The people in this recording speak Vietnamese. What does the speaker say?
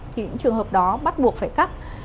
thì những trường hợp đó bắt buộc phải cắt